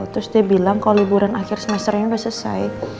terus dia bilang kalau liburan akhir semester ini udah selesai